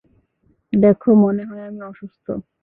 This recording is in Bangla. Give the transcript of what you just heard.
দেখো, মনে হয় আমি অসুস্থ।